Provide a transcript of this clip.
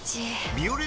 「ビオレ」